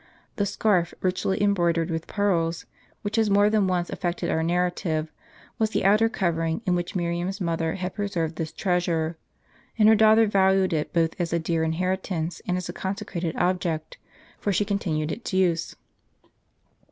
The scarf richly embroidered with i)earls, which has more than once affected our narrative, was the outer covering in which Miriam's mother had preserved this treasure ; and her daughter valued it both as a dear inheritance, and as a conse crated object, for she continued its use.